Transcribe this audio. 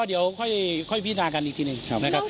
เดี๋ยวค่อยพินากันอีกทีหนึ่งนะครับ